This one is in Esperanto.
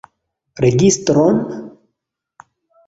Registron?